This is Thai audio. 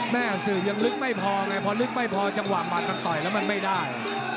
สื่อยังลึกไม่พอไงพอลึกไม่พอจังหวะมันต่อยแล้วมันไม่ได้